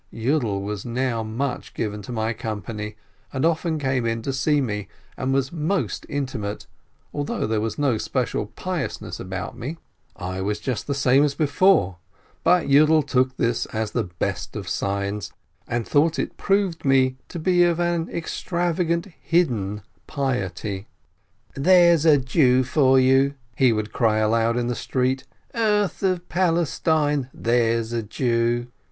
Yiidel was now much given to my company, and often came in to see me, and was most intimate, although there was no special piousness about me. I was just the same as before, but Yiidel took this for the best of signs, and thought it proved me to be of extravagant hidden piety. "There's a Jew for you !" he would cry aloud in the street. "Earth of Palestine ! There's a Jew